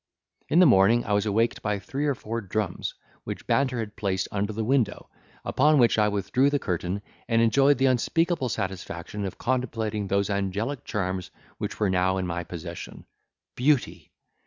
In the morning I was awaked by three or four drums, which Banter had placed under the window; upon which I withdrew the curtain, and enjoyed the unspeakable satisfaction of contemplating those angelic charms which were now in my possession! Beauty!